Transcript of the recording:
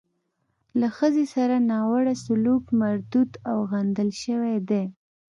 له ښځې سره ناوړه سلوک مردود او غندل شوی دی.